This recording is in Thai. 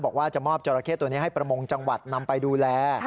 บอกว่าจะมอบจราเข้ตัวนี้ให้ประมงจังหวัดนำไปดูแล